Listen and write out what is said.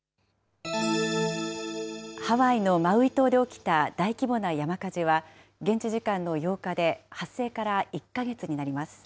ハワイのマウイ島で起きた大規模な山火事は、現地時間の８日で発生から１か月になります。